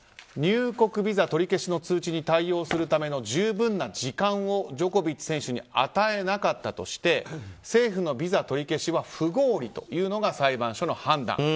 入国ビザ取り消しの通知に対応するための十分な時間をジョコビッチ選手に与えなかったとして政府のビザ取り消しは不合理というのが裁判所の判断。